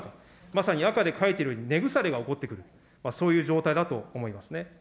まさに赤で書いているように根腐れが起こってくる、そういう状態だと思いますね。